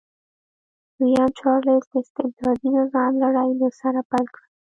دویم چارلېز د استبدادي نظام لړۍ له سره پیل کړه.